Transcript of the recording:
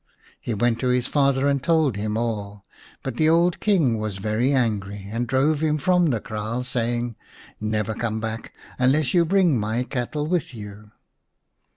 He went to his father and told him all, but the old King was very angry and drove him from the kraal, saying, " Never come back unless you bring my cattle with you."